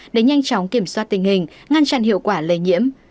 để nhanh chóng kiểm soát tình hình ngăn chặn hiệu quả lây nhiễm